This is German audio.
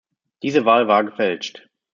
Diese Wahl war gefälscht.